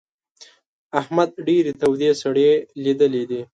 احمد ډېرې تودې سړې ليدلې دي.